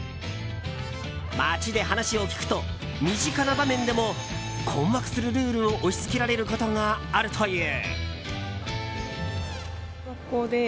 街で話を聞くと、身近な場面でも困惑するルールを押し付けられることがあるという。